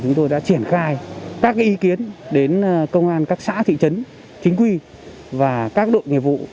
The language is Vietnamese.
chúng tôi đã triển khai các ý kiến đến công an các xã thị trấn chính quy và các đội nghiệp vụ